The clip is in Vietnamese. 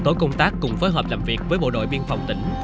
tổ công tác cùng phối hợp làm việc với bộ đội biên phòng tỉnh